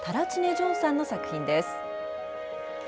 ジョンさんの作品です。